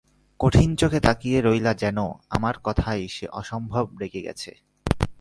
কঠিন চোখে তাকিয়ে রইলা যেন আমার কথায় সে অসম্ভব রেগে গেছে।